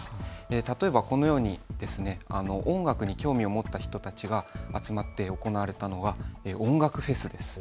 例えば、このように音楽に興味を持った人たちが集まって行われたのが音楽フェスです。